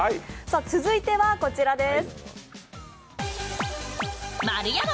続いてはこちらです。